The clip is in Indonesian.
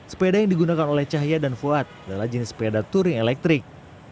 sepeda yang digunakan oleh cahya dan fuad adalah jenis sepeda touring elektrik